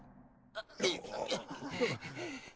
あっ。